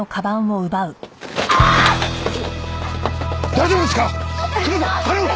大丈夫ですね。